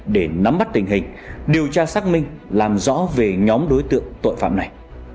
để nắm bắt tình hình điều tra xác minh làm rõ về nhóm đối tượng tội phạm này